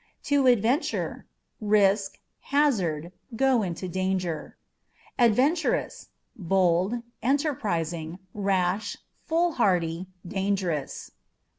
To Adventure â€" risk, hazard ; go into danger. Adventurous â€" bold, enterprising ; rash, foolhardy, dangerous.